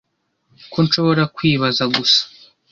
ko nshobora kwibaza gusa.